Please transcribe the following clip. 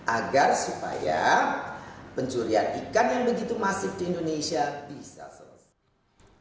agar supaya pencurian ikan yang begitu masif di indonesia bisa selesai